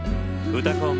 「うたコン」。